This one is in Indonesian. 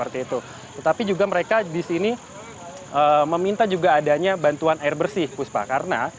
tetapi juga mereka di sini meminta juga adanya bantuan air bersih puspa